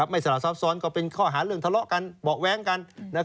สละซับซ้อนก็เป็นข้อหาเรื่องทะเลาะกันเบาะแว้งกัน